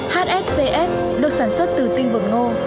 hfcs được sản xuất từ tinh vụt ngô